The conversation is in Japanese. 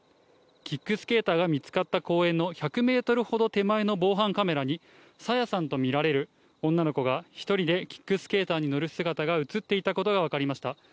キックスケーターが見つかった公園の１００メートルほど手前の防犯カメラに、朝芽さんと見られる女の子が１人でキックスケーターに乗る姿が写っていたことが分かりました。